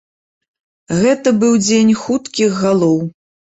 Гэта быў дзень хуткіх галоў.